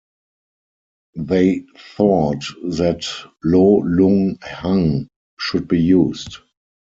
They thought that Lo Lung Hang should be used.